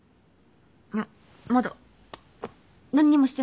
いやまだ何にもしてないから。